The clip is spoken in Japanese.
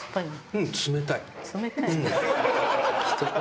ううん冷たい。